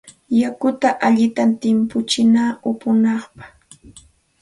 Yakuta allinta timputsina upunapaq.